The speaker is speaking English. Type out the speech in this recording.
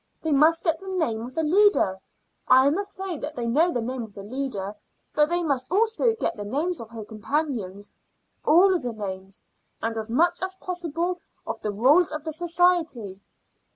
They must get the name of the leader. I am afraid that they know the name of the leader, but they must also get the names of her companions all the names and as much as possible of the rules of the society.